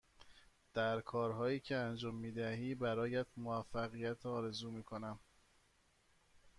در هرکاری که انجام می دهی برایت موفقیت آرزو می کنم.